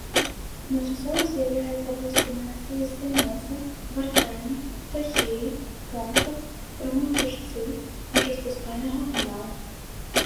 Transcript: Адначасова з'яўляюцца воспіны на слізістай носу, гартані, трахеі, бронхах, прамой кішцы, мочаспускальнага канала.